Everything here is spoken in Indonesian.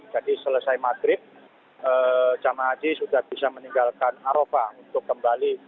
jadi selesai madrid jemaah haji sudah bisa meninggalkan aropah untuk kembali